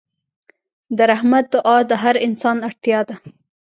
د رحمت دعا د هر انسان اړتیا ده.